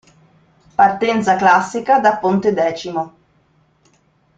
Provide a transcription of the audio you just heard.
Partenza classica da Pontedecimo.